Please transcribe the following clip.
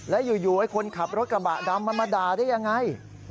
แล้วอยู่ให้คนขับรถกระบะดำมาด่าได้อย่างไร